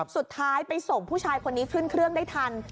สุดท้ายไปส่งผู้ชายคนนี้ขึ้นเครื่องได้ทัน